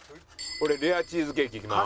俺レアチーズケーキいきます。